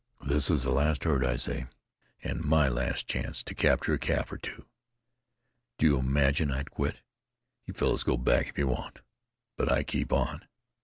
This is the last herd, I say, and my last chance to capture a calf or two. Do you imagine I'd quit? You fellows go back if you want, but I keep on."